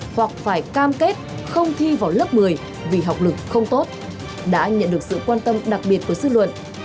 hoặc phải cam kết không thi vào lớp một mươi vì học lực không tốt đã nhận được sự quan tâm đặc biệt của dư luận